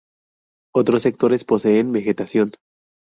Otros sectores poseen vegetación.